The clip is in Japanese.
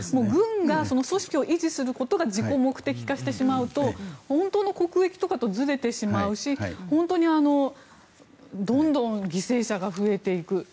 軍が組織を維持することが自己目的化してしまうと本当の国益とかとずれてしまうし本当にどんどん犠牲者が増えていく。